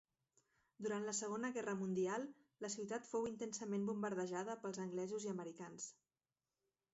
Durant la Segona Guerra Mundial la ciutat fou intensament bombardejada pels anglesos i americans.